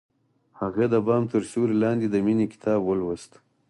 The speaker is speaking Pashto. هغې د بام تر سیوري لاندې د مینې کتاب ولوست.